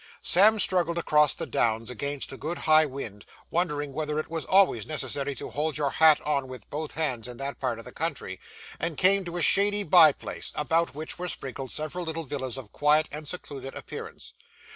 Sam struggled across the Downs against a good high wind, wondering whether it was always necessary to hold your hat on with both hands in that part of the country, and came to a shady by place, about which were sprinkled several little villas of quiet and secluded appearance.